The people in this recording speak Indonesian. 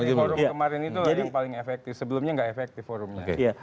di forum kemarin itu yang paling efektif sebelumnya nggak efektif forumnya